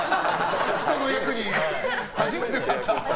人の役に初めて立った。